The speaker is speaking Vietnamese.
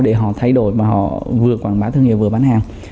để họ thay đổi và họ vừa quảng bá thương hiệu vừa bán hàng